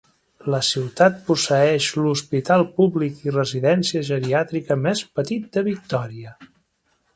La ciutat posseeix l'hospital públic i residència geriàtrica més petit de Victoria.